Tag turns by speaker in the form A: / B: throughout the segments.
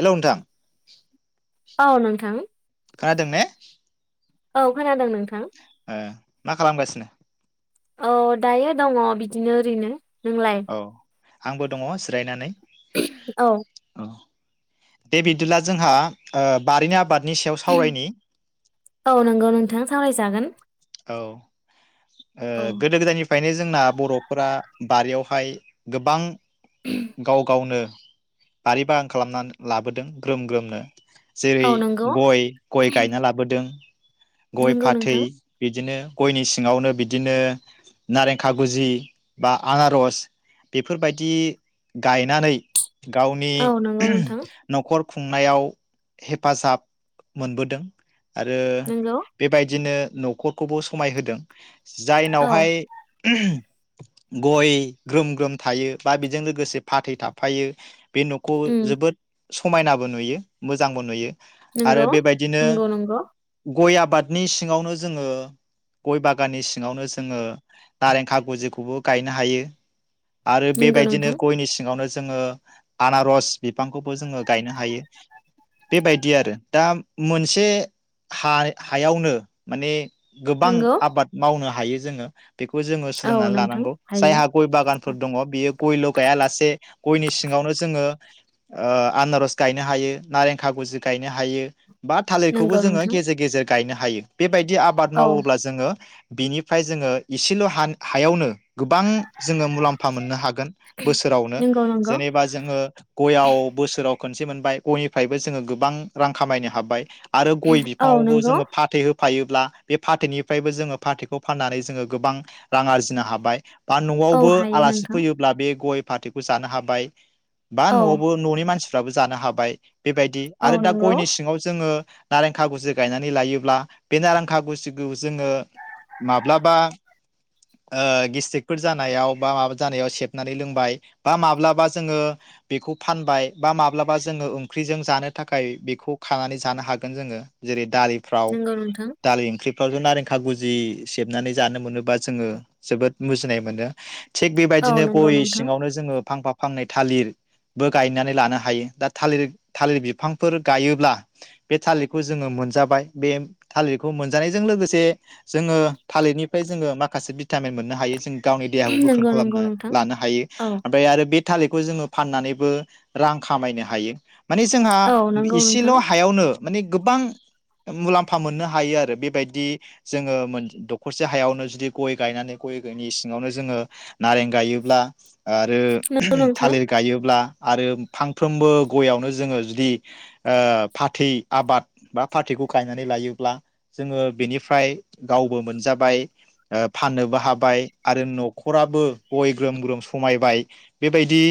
A: Hello नोंथां
B: औ नोंथां
A: खोनादों ने
B: औ खोनादों नों
A: ओ मा खालामगासिनो?
B: औ दायो दङ बिदिनो ओरैनो नोंलाय
A: औ आंबो दङ जिरायनानै
B: औ
A: दे बिदिब्ला जोंहा ओ बारिनि आबाद
B: औ नंगौ नोंथां सावरायजागोन
A: औ ओ
B: औ
A: गोदो गोदायनिफ्रायनो जोंना बर'फोरा बारियावहाय गोबां गाव गावनो बारि बागान खालामनानै लाबोदों ग्रोम ग्रोमनो जेरै
B: औ नंगौ
A: गय गय गायना लाबोदों गय
B: नंगौ
A: फाथै
B: नोंथां
A: बिदिनो गयनि सिङावनो बिदिनो नारें खागुजि बा आनारस बेफोरबायदि गायनानै गावनि
B: औ नंगौ नोंथां
A: न'खर खुंनायाव हेफाजाब मोनबोदों आरो
B: नंगौ
A: बेबायदिनो न' खरखौबो समाय होदों
B: औ
A: जायनावहाय गय ग्रोम ग्रोम थायो बा बेजों लोगोसे फाथै थाफायो बे न'खौ
B: उम
A: जोबोद समायनाबो नुयो मोजांबो नुयो आरो
B: नोंगौ
A: बेबायदिनो
B: नोंगौ नोंगौ
A: गय आबादनि सिङावनो जोङो गय बागाननि सिङावनो जोङो नारें खागुजिखौबो गायनो हायो आरो
B: नंगौ
A: बेबायदिनो
B: नोंथां
A: गयनि सिङावनो जोङो आनारस बिफांखौबो जोङो गायनो हायो बेबायदि आरो दा मोनसे हा हायावनो माने गोबां
B: नंगौ
A: आबाद मावनो हायो जोङो बेखौ जोङो
B: औ
A: सोलोंनानै
B: नोंथां
A: लानांगौ
B: हायो
A: जायहा गय बागानफोर दङ बियो गयल' गाया लासे गयनि सिङावनो जोङो ओ आनारस गायनो हायो नारें खागुजि गायनो हायो बा थालिरखौबो
B: नंगौ
A: जोङो
B: नोंथां
A: गेजेर गेजेर गायनो हायो बेबायदि आबाद
B: औ
A: मावोब्ला जोङो बिनिफ्राय जोङो इसेल' हान हायावनो गोबां जोङो मुलाम्फा मोननो हागोन बोसोरावनो
B: नंगौ नंगौ
A: जेनेबा जोङो गयाव बोसोराव खनसे मोनबाय गयनिफ्रायबो जोङो गोबां रां खामायनो हाबाय आरो गय
B: औ
A: बिफाङावबो
B: नंगौ
A: जोङो फाथै हो फायोब्ला बे फाथैनिफ्रायबो जोङो फाथैखौ फाननानै जोङो गोबां रां आरजिनो हाबाय बा
B: औ
A: न'आवबो
B: हायो
A: आलासि
B: नोंथां
A: फैयोब्ला बे गय फाथैखौ जानो हाबाय बा
B: औ
A: न'आवबो न'नि मानसि फ्राबो जानो हाबाय बेबायदि
B: औ
A: आरो दा
B: नंगौ
A: गयनि सिङाव जोङो नारें खागुजि गायनानै लायोब्ला बे नारां खागुजिखौ जोङो माब्लाबा ओ गेसटिकफोर जानायाव बा माबा जानायाव सेबनानै लोंबाय बा माब्लाबा जोङो बेखौ फानबाय बा माब्लाबा जोङो ओंख्रिजों जानो थाखाय बेखौ खानानै जानो हागोन जोङो जेरै दालिफ्राव
B: नंगौ नोंथां
A: दालि ओंख्रि फ्रावजे नारें खागुजि सेबनानै जानो मोनोबा जोङो जोबोद मुजिनाय मोनो थिग
B: औ
A: बेबायदिनो
B: नंगौ
A: गय
B: नोंथां
A: सिङावनो जोङो फांफा फांनै थालिरबो गायनानै लानो हायो दा थालिर थालिर बिफांफोर गायोब्ला बे थालिरखौ जोङो मोनजाबाय बे थालिरखौ मोनजानायजों लोगोसे जोङो थालिरनिफ्राय जोङो माखासे भिटामिन मोननो हायो जों गावनि देहाखौ गोख्रों
B: नंगौ नंगौ
A: खालामनो
B: नोंथां
A: लानो हायो
B: औ
A: ओमफाय आरो बे थालिरखौ जोङो फाननानैबो रां खामायनो हायो माने जोंहा
B: औ नंगौ
A: इसेल'
B: नोंथां
A: हायावनो माने गोबां मुलाम फा मोननो हायो आरो बेबायदि जोङो दखरसे हायावनो जुदि गय गायनानै गयनि सिङावनो जोङो नारें गायोब्ला आरो
B: नंगौ नोंथां
A: थालिर गायोब्ला आरो फांफ्रोमबो गयावनो जोङो जुदि फाथै आबाद बा फाथैखौ गाय गायनानै लायोब्ला जोङो बिनिफ्राय गावबो मोनजाबाय ओ फाननोबो हाबाय आरो नखराबो गय ग्रोम ग्रोम समायबाय बेबायदि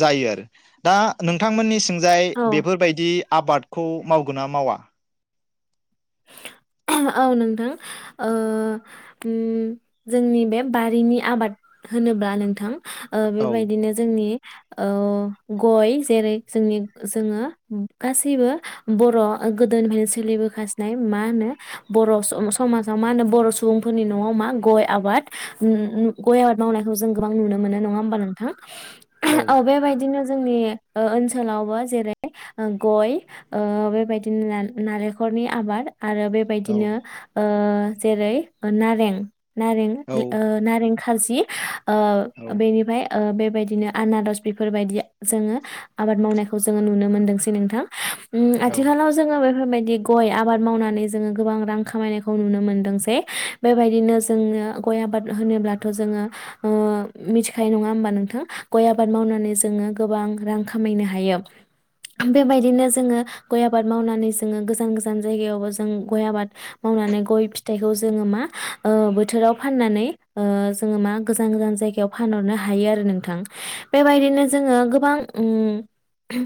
A: जायो आरो दा नोंथांमोननिसिम जाय
B: औ
A: बेफोरबायदि आबादखौ मावगोन ना मावा
B: औ नोंथां ओ उम जोंनि बे बारिनि आबाद होनोब्ला नोंथां
A: औ
B: बेबायदिनो जोंनि ओ गय जेरै जोंनि जोङो गासैबो बर' गोदोनिफ्रायनो सोलिबोगासिनो नाय मा होनो बर' समाजाव मा होनो बर' सुबुंफोरनि नआव मा गय आबाद गय आबाद मावनायखौ जों गोबां नुनो मोनो नङा होमबा नोंथां औ बेबायदिनो जोंनि ओनसोलावबो जेरै गय ओ बेबायदिनो नालेंखरनि आबाद आरो बेबायदिनो ओ जेरै नारें नारें
A: औ
B: ओ नारें खाजि ओ
A: औ
B: बेनिफ्राय ओ बेबायदिनो आनारस बेफोरबायदि जोङो आबाद मावनायखौ जोङो नुनो मोनदोंसै नोंथां
A: औ
B: आथिखालाव जोङो बेफोरबायदि गय आबाद मावनानै जोङो गोबां रां खामायनायखौ नुनो मोनदों जे बेबायदिनो जोङो गय आबाद होनोब्लाथ जोङो मिथिखायो नङा होमबा नोंथां गय आबाद मावनानै जोङो गोबां रां खामायनो हायो बेबायदिनो जोङो गय आबाद मावनानै जोङो गोजान गोजान गोजान जायगायावबो जों गय आबाद मावनानै गय फिथाइखौ जोङो मा बोथोराव फाननानै जोङो मा गोजान गोजान जायगायाव फानहरनो हायो आरो नोंथां बेबायदिनो जोङो गोबां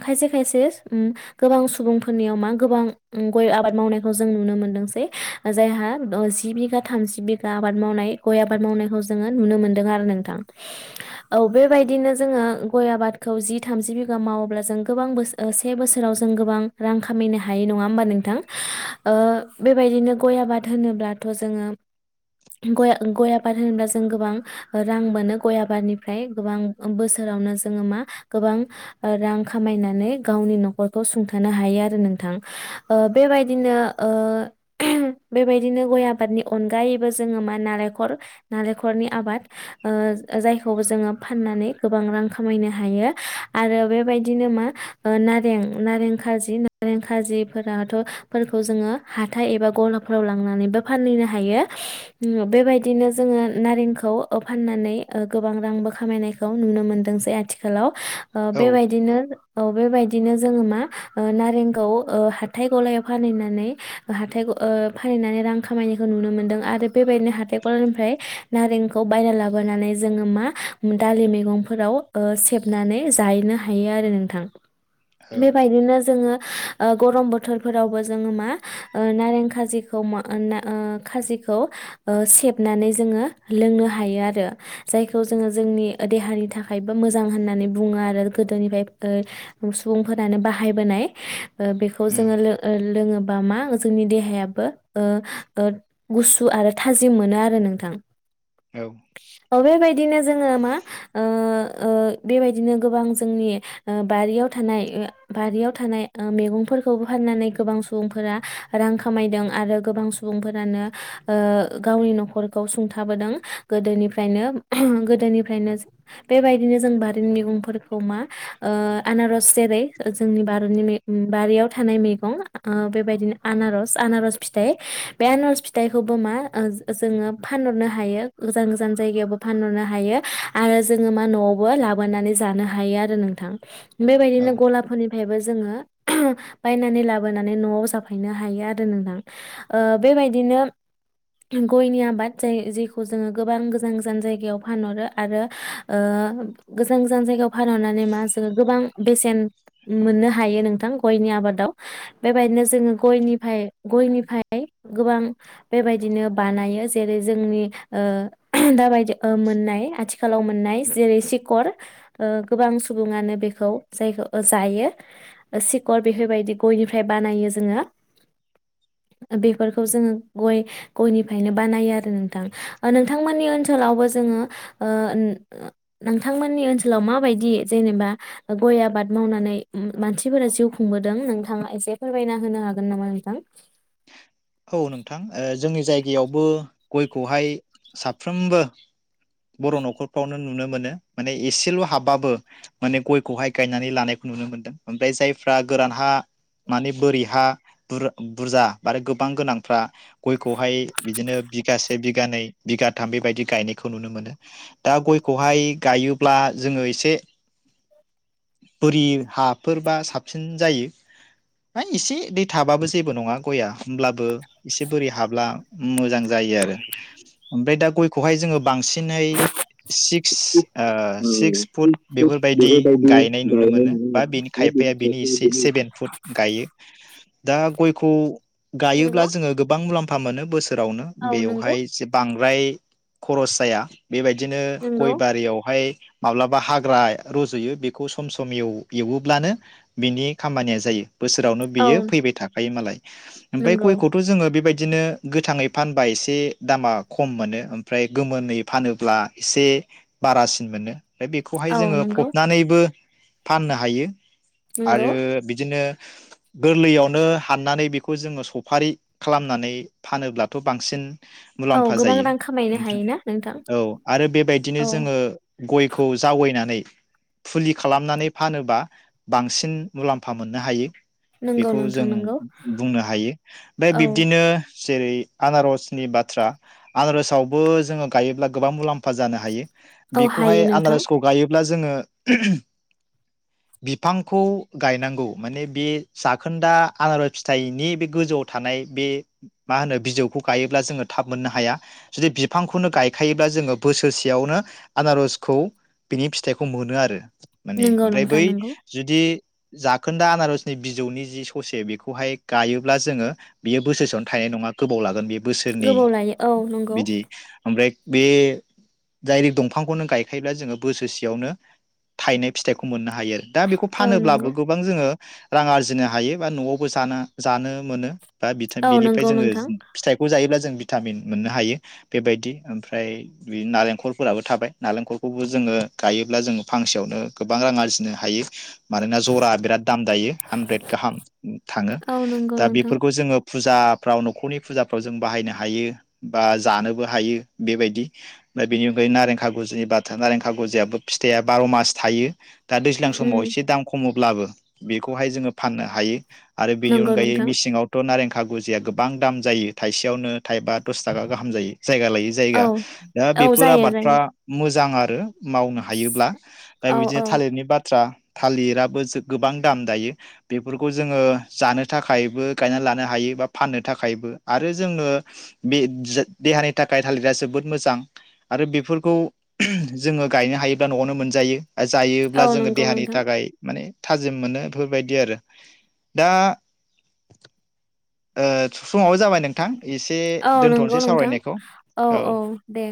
B: खायसे खायसे गोबां सुबुंफोरनियाव मा गोबां गय आबाद मावनायखौ जों नुनो मोनदोंसै जायहा जि बिघा थामजि बिगा आबाद मावनाय गय आबाद मावनायखौ जोङो नुनो मोन्दों आरो नोंथां औ बेबायदिनो जोङो गय आबादखौ जि थामजि बिगा मावोब्ला जों गोबां बोसोर से बोसोराव जों गोबां रां खामायनो हायो नङा होमबा नोंथां थां ओ बेबायदिनो गय आबाद होनोब्लाथ जोङो गय आबाद होनोब्ला जों गोबां रां मोनो गय आबादनिफ्राय गोबां बोसोरावनो जोङो मा गोबां रां खामायनानै गावनि नखरखौ सुंथानो हायो आरो नोंथां ओ बेबायदिनो ओ बेबायदिनो गय आबादनि अनगायैबो जोङो मा नालेंखर नालेंखरनि आबाद जायखौबो जोङो फाननानै गोबां रां खामायनो हायो आरो बेबायदिनो मा नारें नारें खाजि नारें खाजि फोरथफोरखौ जोङो हाथाइ एबा गलाफोराव लांनानैबो फानहैनो हायो बेबायदिनो जोङो नारेंखौ फाननानै गोबां रांबो खामायनायखौ नुनो मोनदों जे आथिखालाव ओ
A: औ
B: बेबायदिनो बेबायदिनो जोङो मा ओ नारेंगाव ओ हा हाथाय गलायाव फानहनानै हाथाइ फानहैनानै रां खामायनायखौ नुनो मोन्दों आरो बेबायदिनो हाथाइ गलानिफ्राय नारेंखौ बायना लाबोनानै जोङो मा दालि मैगंफोराव सेबनानै जाहैनो हायो आरो नोंथां बेबायदिनो जोङो ओ गरम बोथ थोरफोरावबो जोङो मा ओ नारें खाजिखौ मा खाजिखौ सेबनानै जोङो लोंनो हायो आरो जायखौ जोङो जोंनि देहानि थाखायबो मोजां होननानै बुङो आरो गोदोनिफ्राय सुबुंफोरानो बाहायबोनाय बेखौ खौ
A: उम
B: जोङो लोङोबा मा जोंनि देहायाबो गुसु आरो थाजिम मोनो आरो नोंथां
A: औ
B: औ बेबायदिनो जोङो मा बेबायदिनो गोबां जोंनि बारियाव थानाय बारियाव थानाय मैगं खौ फाननानै गोबां सुबुंफोरा रां खामायदों आरो गोबां सुबुंफोरानो गावनि नखरखौ सुंथाबोदों गोदोनिफ्रायनो गोदोनिफ्रायनो बेबायदिनो जों बारिनि मैगंफोरखौ मा आनारज जेरै जोंनि बारिनि बारियाव थानाय मैगं बेबायदिनो आनारस आनारस फिथाइ बे आनारस फिथाइखौबो मा जोङो फानहरनो हायो गोजान गोजान जायगायावबो फानहरनो हायो आरो जोङो मा नआवबो लाबोनानै जानो हायो आरो नोंथां बेबायदिनो
A: औ
B: गलाफोरनिफ्रायबो जोङो [inaudible] बायनानै लाबोनानै न'आव जाफायनो हायो आरो नोंथां ओ बेबायदिनो गयनि आबाद जाय जेखौ जोङो गोबां गोजान गोजान जायगायाव फानहरो आरो ओ गोजान गोजान जायगायाव फानहरनानै मा जो गोबां बेसेन मोननो हायो नोंथां गयनि आबाद बेबायदिनो जोङो गनिफाय गयनिफाय गोबां बेबायदिनो बानायो जेरै जोंनि ओ दाबायदि ओ मोननाय आथिखालाव मोननाय जेरै सिकर ओ गोबां सुबुङानो बेखौ जायोखौ ओ जायो ओ सिकर बेफोरबायदि गयनिफ्राय बानायो जोङो बेफोरखौ जोङो गय गयनिफ्रायनो बानायो आरो नोंथां ओ नोंथांमोननि ओनसोलावबो जोङो ओ नोंथांमोननि ओनसोलाव माबायदि जेनेबा गय आबाद मावनानै मानसिफोरा जिउ खुंबोदों नों थाङा एसे फोरमायना होनो हागोन नामा नोंथां
A: जोंनियावबो गयखौहाय साफ्रोमबो बर' न'खरफ्रावनो नुनो मोनो माने एसेल' हाबबाबो माने गयखौहाय गायनानै लानायखौ नुनो मोनदों ओमफ्राय जायफ्रा गोरान हा माने बोरै हा बुरजा आरो गोबां गोनांफ्रा गयखौहाय बिदिनो बिगासे बिगानै बिगाथाम बेबायदि गायनायखौ खौ नुनो मोनो दा गयखौहाय गायोब्ला जोङो इसे बोरि हाफोरबा साबसिन जायो आइ इसे एनै थाबाबो जेबो नङा गया होमब्लाबो इसे बोरि हाब्ला मोजां जायो आरो ओमफाय दा गयखौहाय जोङो बांसिनै सिक्स ओ सिक्स फुट बेफोरबायदि गायनाय नुनो मोनो बा बेनि खायफाया बेनि एसे सेभेन फुट गायो दा गयखौ
B: नंगौ
A: गायोब्ला जोङो गोबां मुलाम्फा [unintelligible] मोनो बोस रावनो
B: औ नंगौ
A: बेवहाय एसे बां फ्राय खरस जाया बेबायदिनो
B: नंगौ
A: गय बारियावहाय माब्लाबा हाग्रा रज'यो बेखौ सम सम एवोब्लानो बिनि खामानिया जायो बोसोरावनो
B: औ
A: बियो फैबाय थाखायोमालाय ओमफ्राय
B: नंगौ
A: गयखौथ' जोङो बेबायदि बिदिनो गोथाङै फानबा एसे दामा खम मोनो ओम फ्राय गोमोनै फानोब्ला एसे बारासिन मोनो बेखौहाय
B: औ
A: जोङो
B: नंगौ
A: फबनानैबो फाननो हायो
B: नंगौ
A: आरो बिदिनो गोरलैयावनो हाननानै बेखौ जोङो सफारि खालामनानै फानोब्लाथ' बांसिन
B: औ
A: मुलाम्फा
B: गोबां
A: जायो
B: रां खामायनो हायोना नोंथां
A: औ आरो बेबायदिनो
B: औ
A: जोङो गयखौ जावै फैनानै फुलि खालामनानै फानोबा बांसिन मुलाम्फा मोननो हायो
B: नंगौ
A: बेखौ
B: नोंथां
A: जों
B: नंगौ
A: बुंनो हायो ओमफाय
B: औ
A: बिब्दिनो जेरै आनारसनि बाथ्रा आनारसआव बो जोङो गायोब्ला गोबां मुलाम्फा जानो हायो
B: औ हायो
A: बेखौहाय
B: नोंथां
A: आनारसखौ गायो ब्ला जोङो बिफांखौ गायनांगौ माने बे जाखोनदा आनारस फिथाइनि बे गोजौआव थानाय बे मा होनो बिजौखौ गायोब्ला जोङो थाब मोननो हाया जुदि बिफांखौनो गायखायोब्ला जोङो बोसोरसेयावनो आनारसखौ बिनि फिथाइखौ मोनो आरो माने
B: नंगौ
A: ओमफ्राय
B: नोंथां
A: बै
B: नंगौ
A: जुदि जाखोन्दा आनारसनि बिजौनि जि ससे बेखौहाय गायोब्ला जोङो बेयो बोसोरसेयावनो थायनाय नङा गोबाव लागोन बे बोसोरनै
B: गोबाव लायो औ नंगौ
A: बिदि ओमफ्राय बे दायरेक्ट दंफांखौनो गायखायोब्ला जोङो बोसोरसेयावनो थायनाय फिथाइखौ मोनो हायो दा बेखौ
B: औ
A: फानोब्लाबो
B: नंगौ
A: गोबां जोङो रां आरजिनो हायो बा न'आवबो जानो-जानो मोनो दा
B: औ
A: [unintelligible] बिनिफ्राय
B: नंगौ
A: जोङो
B: नोंथां
A: फिथाइखौ जायोब्ला जों जों भिटामिन मोननो हायो बेबायदि ओमफ्राय बे नारेंखलफोराबो थाबाय नारेंखलखौबो जोङो गायोब्ला जोङो फांसेयावनो गोबां रां आरजिनो हायो मानोना जरा बिराद दाम दायो हानद्रेद गाहाम थाङो
B: औ नंगौ
A: दा
B: नोंथां
A: बेफोरखौ जोङो फुजाफ्राव न'खरनि फुजाफ्राव जों बाहायनो हायो बा जानोबो हायो बेबायदि ओमफ्राय बेनि अनगायै नारें खागुजिनि बाथ्रा नारें खागुजायाबो फिथाइआ बार' मास थायो दा दैज्लां
B: उम
A: समाव एसे दाम खमो ब्लाबो बेखौहाय जोङो फाननो हायो आरो बेनि
B: नंगौ
A: अनगायै
B: नोंथां
A: मिसिङावथ' नारें खागुजिया गोबां दाम जायो थाइसे सेयावनो थाइबा दस थाखा गाहाम जायो जाया लायै
B: औ
A: जायगा दा
B: औ
A: बेफोर
B: जायो जायो
A: आबादफ्रा मोजां आरो आरो मावनो हा हायोब्ला दा
B: औ
A: बिदिनो
B: औ
A: थालिरनि बाथ्रा थालिराबो गोबां दाम दायो बेफोरखौ जोङो जानो थाखायबो गायनानै लानो हायो बा फाननो थाखायबो आरो जोङो बे देहानि थाखाय थालिरा जोबोद मोजां आरो बेफोरखौ जोङो गायनो हायोब्ला न'आवनो मोनजायो जायोब्ला
B: औ
A: जोङो
B: नंगौ
A: देहानि
B: नोंथां
A: थाखाय माने थाजिम मोनो बेफोरबायदि आरो दा समाबो जाबाय नोंथां एसे
B: औ नंगौ
A: दोनथ'नोसै
B: नोंथां
A: सावरायनायखौ
B: औ औ दे